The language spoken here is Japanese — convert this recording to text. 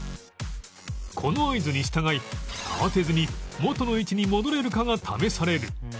この合図に従い慌てずに元の位置に戻れるかが試される